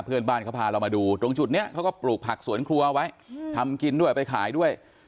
เพื่อนบ้านเขาพาเรามาดูตรงจุดนี้เขาก็ปลูกผักสวนครัวไว้ทำกินด้วยไปขายด้วย